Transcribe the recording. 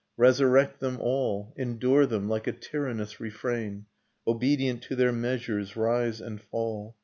Resurrect them all, Endure them, like a tyrannous refrain, — Obedient to their measures rise and fall.